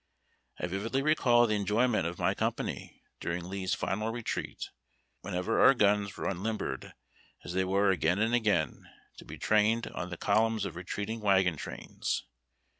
I vividly recall the enjoyment of my company, during Lee's final retreat, whenever our guns were unlim bered, as they were again and again, to be trained on the columns of retreating wagon trains.